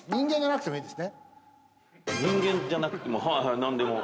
人間じゃなくはいはい何でも。